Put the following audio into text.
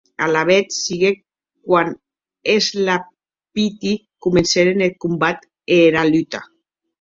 Alavetz siguec quan es lapiti comencèren eth combat e era luta.